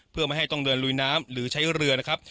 เพื่อไม่ให้ต้องเดินลุยน้ำหรือใช้เรือนะครับ